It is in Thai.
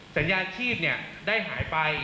สัญญาชีพได้หายไป